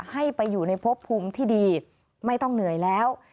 ให้ไปอยู่ในพบภูมิที่ดีไม่ต้องเหนื่อยแล้ว